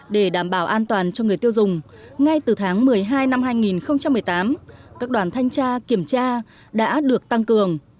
để đảm bảo an toàn cho người tiêu dùng ngay từ tháng một mươi hai năm hai nghìn một mươi tám các đoàn thanh tra kiểm tra đã được tăng cường